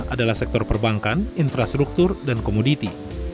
adalah sektor perbankan infrastruktur dan komoditi